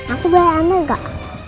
aku boleh ambil gak